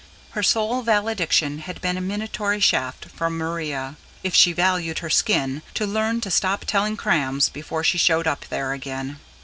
Her sole valediction had been a minatory shaft from Maria: if she valued her skin, to learn to stop telling crams before she showed up there again.